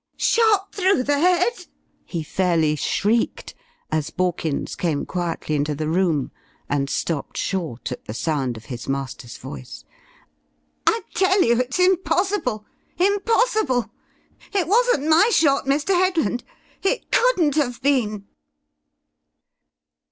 "Shot through the head!" he fairly shrieked, as Borkins came quietly into the room, and stopped short at the sound of his master's voice. "I tell you it's impossible impossible! It wasn't my shot, Mr. Headland it couldn't have been!"